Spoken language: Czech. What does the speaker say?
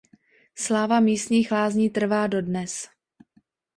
Sláva místních lázní trvá dodnes.